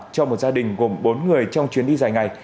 cho một gia đình gồm bốn người trong chuyến đi dài ngày